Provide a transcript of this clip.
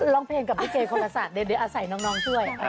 ร้องเพลงกับลิเกคนละศาสตร์เดี๋ยวอาศัยน้องช่วย